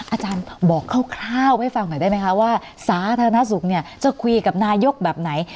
อาจารย์บอกคร่าวให้ฟังหน่อยได้ไหมคะว่าสาธารณสุขเนี่ยจะคุยกับนายกแบบไหน